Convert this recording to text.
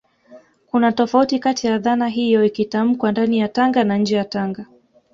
kuna tofauti kati ya dhana hiyo ikitamkwa ndani ya Tanga na nje ya Tanga